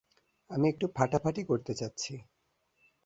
আমি একটু ফাটাফাটি করতে চাচ্ছি!